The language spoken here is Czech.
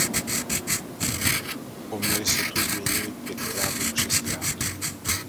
Poměry se tu změnily pětkrát nebo šestkrát.